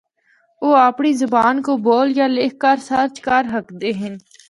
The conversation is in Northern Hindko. او اپنڑی زبان کو بول یا لکھ کے سرچ کر ہکدے ہن۔